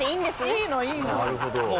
いいのいいの。